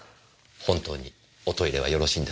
本当におトイレはよろしいんですか？